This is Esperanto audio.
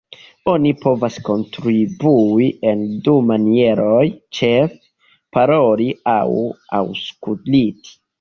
Oni povas kontribui en du manieroj, ĉefe: "Paroli" aŭ "Aŭskulti".